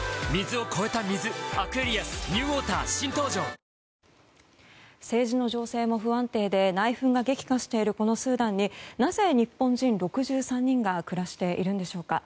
脂肪に選べる「コッコアポ」政治の情勢も不安定で内紛が激化しているスーダンになぜ日本人６３人が暮らしているんでしょうか。